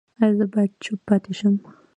ایا زه باید چوپ پاتې شم؟